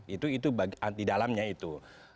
itu di dalamnya itu